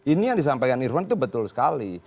ini yang disampaikan irwan itu betul sekali